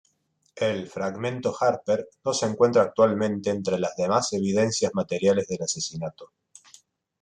El "fragmento Harper" no se encuentra actualmente entre las demás evidencias materiales del asesinato.